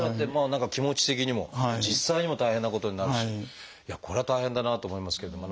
何か気持ち的にも実際にも大変なことになるしこれは大変だなと思いますけれども。